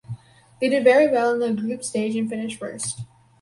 They did very well in the group stage and finished first.